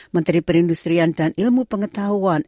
menteri perindustrian dan ilmu pengetahuan